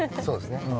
そうですね。